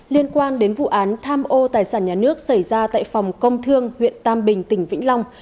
liên quan đến vụ án tham ô tài sản nhà nước xảy ra tại phòng công thương huyện tam bình tỉnh vĩnh long